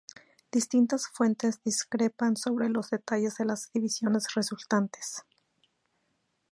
Distintas fuentes discrepan sobre los detalles de las divisiones resultantes.